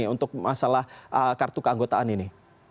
untuk masalah kartu keanggotaan ini